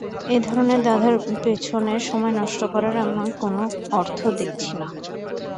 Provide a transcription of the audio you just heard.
এ-ধরনের ধাঁধার পেছনে সময় নষ্ট করার আমি কোনো অর্থ দেখছি না।